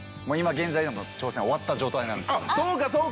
現在、挑戦は終わった状態なんですけれど。